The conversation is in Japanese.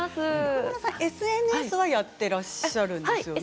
ＳＮＳはやってらっしゃるんですよね？